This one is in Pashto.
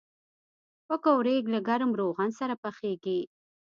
پکورې له ګرم روغن سره پخېږي